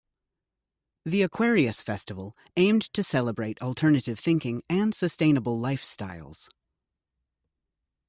The Aquarius Festival aimed to celebrate alternative thinking and sustainable lifestyles.